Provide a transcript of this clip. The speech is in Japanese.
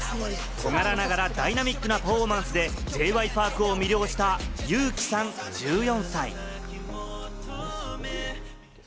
小柄ながらダイナミックなパフォーマンスでＪ．Ｙ．Ｐａｒｋを魅了したユウキさん１４歳。